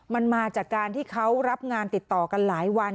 มันมาจากการที่เขารับงานติดต่อกันหลายวัน